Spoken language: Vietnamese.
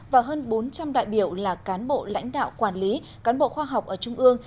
và hơn bốn trăm linh đại biểu là cán bộ lãnh đạo quản lý cán bộ khoa học ở trung ương